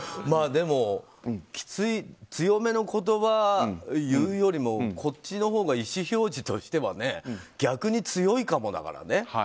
でも強めの言葉を言うよりもこっちのほうが意思表示としては逆に強いかもだからね。